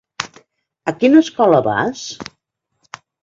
A quina escola vas?